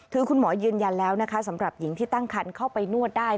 คือคุณหมอยืนยันแล้วนะคะสำหรับหญิงที่ตั้งคันเข้าไปนวดได้